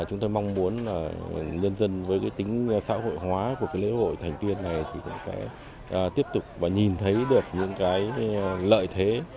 chúng tôi mong muốn nhân dân với tính xã hội hóa của lễ hội thành viên này sẽ tiếp tục nhìn thấy được những lợi thế